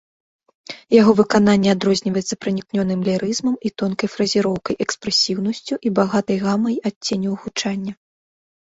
Яго выкананне адрозніваецца пранікнёным лірызмам і тонкай фразіроўкай, экспрэсіўнасцю і багатай гамай адценняў гучання.